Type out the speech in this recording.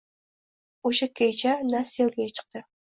Oʻsha kecha Nastya yoʻlga chiqdi.